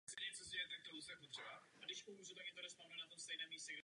Významně přispěl k její prosperitě.